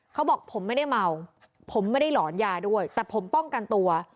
เขาบอกผมไม่ได้เมาผมไม่ได้หลอนยาด้วยแต่ผมป้องกันตัว